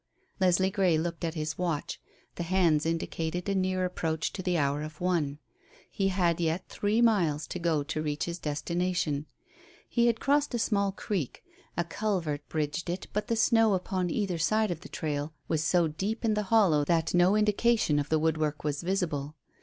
Leslie Grey looked at his watch; the hands indicated a near approach to the hour of one. He had yet three miles to go to reach his destination. He had crossed a small creek. A culvert bridged it, but the snow upon either side of the trail was so deep in the hollow that no indication of the woodwork was visible.